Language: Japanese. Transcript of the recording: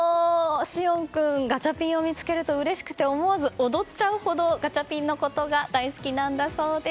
志苑君はガチャピンを見つけるとうれしくて、思わず踊っちゃうほどガチャピンのことが大好きなんだそうです。